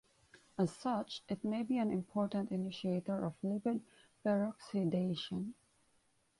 As such, it may be an important initiator of lipid peroxidation.